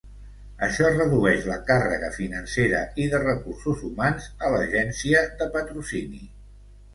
Això redueix la càrrega financera i de recursos humans a l'agència de patrocini.